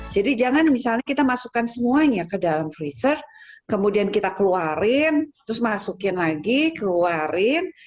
jadi jangan misalnya kita masukkan semuanya ke dalam freezer kemudian kita keluarin terus masukin lagi keluarin